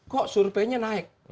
kok surpenya naik